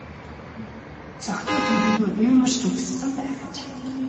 Согтуу төдийгүй уймарч түгшсэн байх аж.